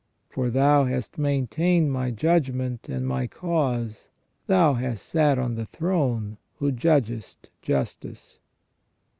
For Thou hast maintained my judgment and my cause : Thou hast sat on the throne, who judgest justice."